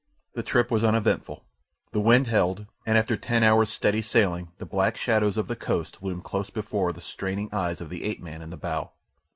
The trip was uneventful, the wind held, and after ten hours' steady sailing the black shadows of the coast loomed close before the straining eyes of the ape man in the bow.